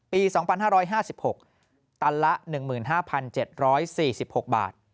ปี๒๕๕๖ตันละ๑๕๗๔๖บาท